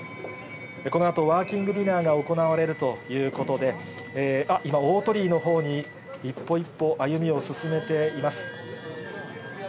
このあとワーキングディナーが行われるということで、あっ、今、大鳥居のほうに一歩一歩歩みを進めています。